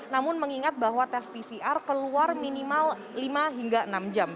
namun mengingat bahwa tes pcr keluar minimal lima hingga enam jam